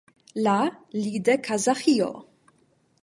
La li de Kazaĥio.